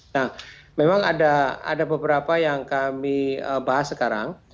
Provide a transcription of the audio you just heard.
nah memang ada beberapa yang kami bahas sekarang